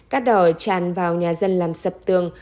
cắt đỏ tràn vào nhà dân làm sập tường